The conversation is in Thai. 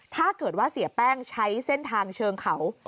ถ้าเกิดว่าเสียแป้งใช้เส้นทางเชิงเขา